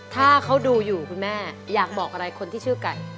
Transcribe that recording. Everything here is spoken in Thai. ถ้าเขาดูอยู่คุณแม่อยากบอกอะไรคนที่ชื่อไก่